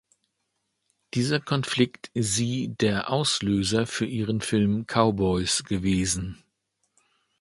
Dieser Konflikt sie der Auslöser für ihren Film "Cowboys" gewesen.